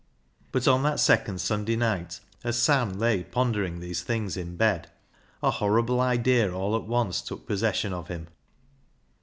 But on that second Sunday night, as Sam lay pondering these things in bed, a horrible idea all at once took possession of him.